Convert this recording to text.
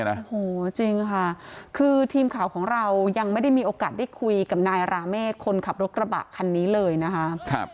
โอ้โหจริงค่ะคือทีมข่าวของเรายังไม่ได้มีโอกาสได้คุยกับนายราเมฆคนขับรถกระบะคันนี้เลยนะคะ